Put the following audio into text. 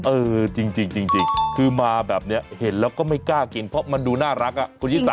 เออจริงคือมาแบบนี้เห็นแล้วก็ไม่กล้ากินเพราะมันดูน่ารักอ่ะคุณชิสา